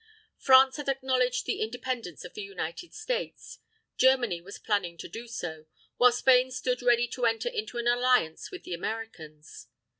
France had acknowledged the Independence of the United States. Germany was planning to do so; while Spain stood ready to enter into an alliance with the Americans.